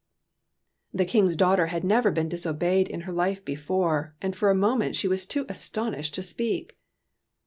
The King's daughter had never been dis obeyed in her life before, and for a moment she was too astonished to speak.